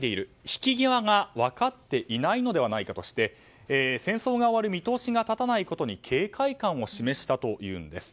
引き際が分かっていないのではないかとして戦争が終わる見通しが立たないことに警戒感を示したということです。